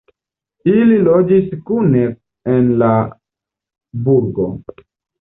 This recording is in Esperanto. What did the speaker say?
Ili loĝis kune en la burgo.